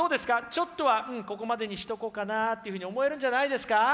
ちょっとはここまでにしとこうかなっていうふうに思えるんじゃないですか？